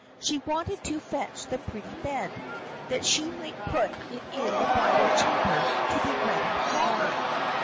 She wanted to fetch the pretty bed, that she might put it in the bridal chamber to be ready for her.